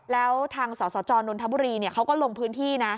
แล้วทางสสจนนทบุรีเขาก็ลงพื้นที่นะ